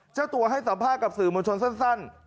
เจ้าตัวให้สัมภาษณ์กับสื่อมวลชนสั้น